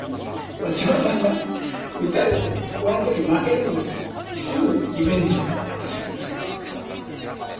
輪島さんが打たれてこの時負けるんだけどすぐリベンジを果たすんですけど。